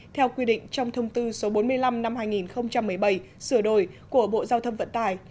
theo quy định trong thông tư số bốn mươi năm năm hai nghìn một mươi bảy sửa đổi của bộ giao thông vận tải